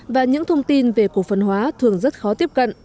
và những thông tin về cổ phần hóa thường rất khó tiếp cận